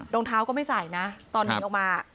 รองเท้าก็ไม่ใส่นะตอนหนีออกมา